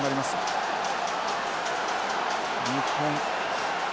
日本